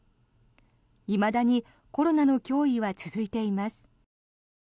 いまだにコロナの脅威は続いています。